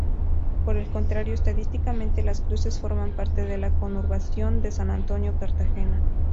Por el contrario, estadísticamente, Las Cruces forma parte de la conurbación de San Antonio-Cartagena.